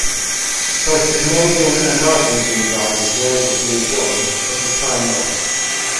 Both the Canadian and Argentine drivers were able to rejoin, but with time lost.